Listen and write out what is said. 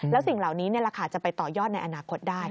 แล้วสิ่งเหล่านี้จะไปต่อยอดในอนาคตได้